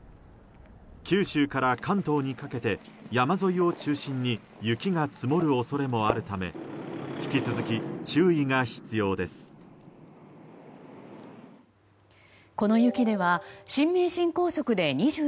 九州から関東にかけて山沿いを中心に雪が積もる恐れもあるため引き続き、注意が必要です。